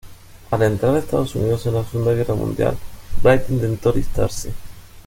Al entrar Estados Unidos en la Segunda Guerra Mundial, Bright intentó alistarse.